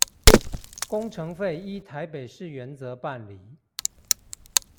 工程費依臺北市原則辦理